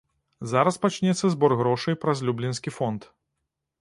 Зараз пачнецца збор грошай праз люблінскі фонд.